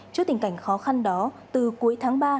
trước tình cảnh khó khăn đó từ cuối tháng ba